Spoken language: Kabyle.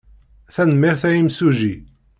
Tanemmirt a imsujji.